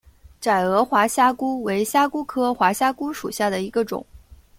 窄额滑虾蛄为虾蛄科滑虾蛄属下的一个种。